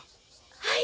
はい。